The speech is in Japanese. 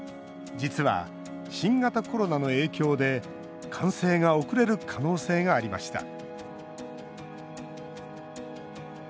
実は、新型コロナの影響で完成が遅れる可能性がありました。